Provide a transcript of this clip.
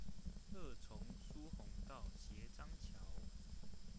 二重疏洪道斜張橋